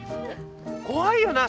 怖いよな